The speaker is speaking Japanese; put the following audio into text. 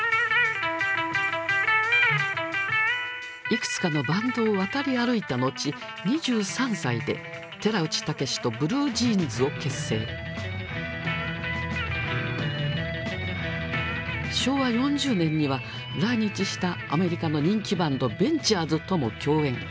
いくつかのバンドを渡り歩いた後２３歳で昭和４０年には来日したアメリカの人気バンドベンチャーズとも共演。